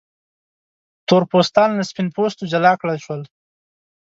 تور پوستان له سپین پوستو جلا کړل شول.